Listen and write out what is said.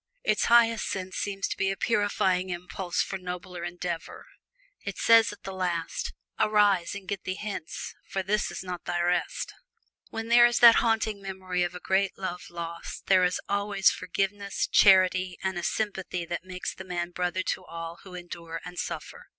Its highest use seems to be a purifying impulse for nobler endeavor. It says at the last, "Arise, and get thee hence, for this is not thy rest." Where there is this haunting memory of a great love lost there is always forgiveness, charity, and a sympathy that makes the man brother to all who endure and suffer.